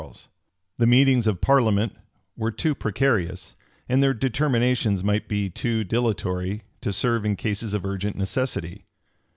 [period inserted] The meetings of parliament were too precarious, and their determinations might be too dilatory, to serve in cases of urgent necessity.